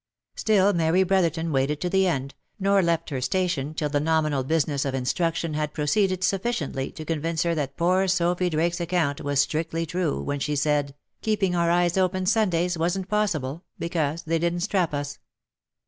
Still Mary Brotherton waited to the end, nor left her station till the nominal business of instruction had proceeded sufficiently to convince her that poor Sophy Drake's account was strictly true when she said " keeping our eyes open Sundays wasn't possible, 'cause they didn't strap us."